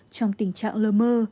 trong tình trạng lơ mơ